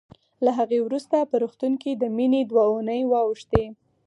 له هغې وروسته په روغتون کې د مينې دوه اوونۍ واوښتې